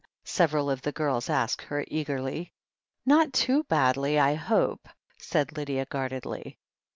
several of the girls asked her eagerly. "Not too badly, J hope," said Lydia guardedly.